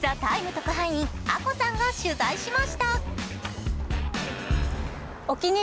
特派員あこさんが取材しました。